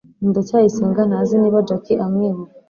ndacyayisenga ntazi niba jaki amwibuka